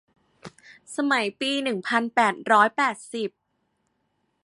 สมัยปีหนึ่งพันแปดร้อยแปดสิบ